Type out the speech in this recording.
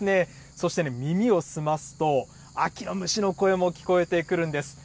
そしてね、耳を澄ますと、秋の虫の声も聞こえてくるんです。